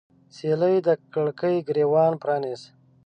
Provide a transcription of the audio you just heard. سیلۍ د کړکۍ ګریوان پرانیست